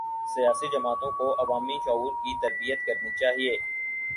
سیاسی جماعتوں کو عوامی شعور کی تربیت کرنی چاہیے۔